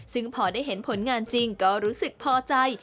ซึ่งพอได้เห็นผลงานจริงก็รู้สึกพอใจ